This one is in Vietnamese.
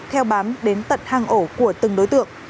theo bám đến tận hàng ổ của từng đối tượng